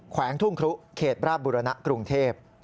แขวงทุ่งครุเขตราบบุรณะกรุงเทพ